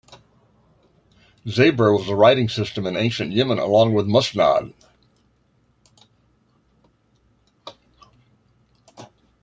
Zabur was a writing system in ancient Yemen along with Musnad.